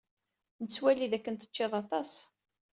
Nettwali dakken teččid aṭas.